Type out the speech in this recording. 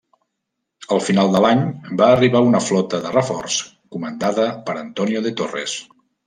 Al final de l'any, va arribar una flota de reforç comandada per Antonio de Torres.